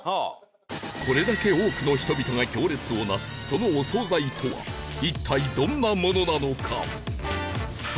これだけ多くの人々が行列を成すそのお総菜とは一体どんなものなのか？